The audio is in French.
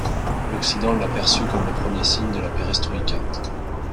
L’Occident l’a perçu comme le premier signe de la pérestroïka.